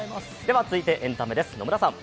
続いてはエンタメです。